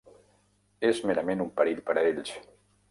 És merament un perill per a ells.